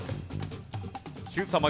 Ｑさま！！